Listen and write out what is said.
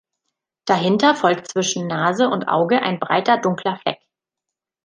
Dahinter folgt zwischen Nase und Auge ein breiter dunkler Fleck.